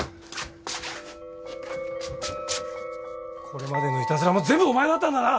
これまでのいたずらも全部お前だったんだな！？